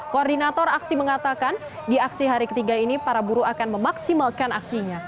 koordinator aksi mengatakan di aksi hari ketiga ini para buruh akan memaksimalkan aksinya